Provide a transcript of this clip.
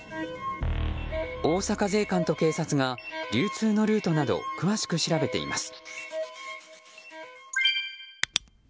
大阪税関と警察が流通のルートなど詳しく調べています。